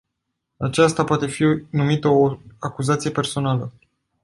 Aceasta poate fi numită o acuzație personală.